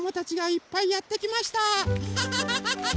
アハハハハハ！